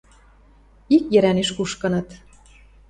Ик йӹрӓнеш кушкыныт.